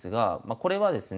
これはですね